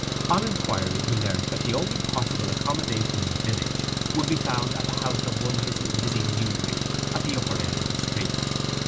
On inquiry he learnt that the only possible accommodation in the village would be found at the house of one Mrs. Lizzy Newberry, at the upper end of the street.